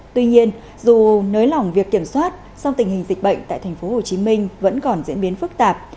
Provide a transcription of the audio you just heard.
tuy nhiên dù nới lỏng việc kiểm soát song tình hình dịch bệnh tại tp hcm vẫn còn diễn biến phức tạp